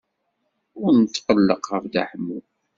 Ur netqelleq ɣef Dda Ḥemmu.